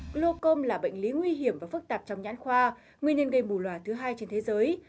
gluocom là bệnh lý nguy hiểm và phức tạp trong nhãn khoa nguyên nhân gây mù loà thứ hai trên thế giới